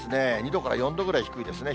２度から４度ぐらい低いですね。